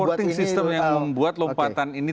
oke berarti supporting system yang kemudian membuat ini